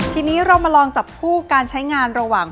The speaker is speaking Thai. ทีนี้เรามาลองจับคู่การใช้งานระหว่าง